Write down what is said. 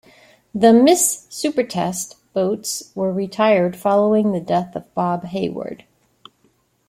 The "Miss Supertest" boats were retired following the death of Bob Hayward.